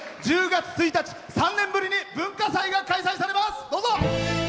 １０月１日３年ぶりに文化祭が開催されます。